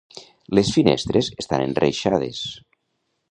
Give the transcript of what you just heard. Les finestres estan enreixades.